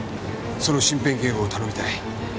その身辺警護を頼みたい。